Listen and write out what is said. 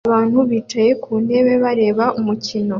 Aba bantu bicaye ku ntebe bareba umukino